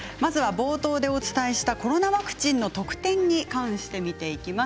冒頭でお伝えしたコロナワクチンの特典に関して見ていきます。